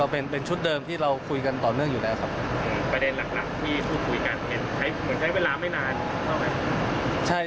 ประเด็นหลักที่คุยกันเหมือนใช้เวลาไม่นาน